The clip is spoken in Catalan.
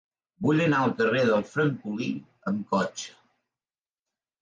Vull anar al carrer del Francolí amb cotxe.